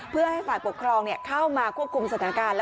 เพื่อให้ฝ่ายปกครองเข้ามาควบคุมสถานการณ์